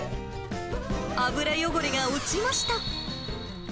油汚れが落ちました。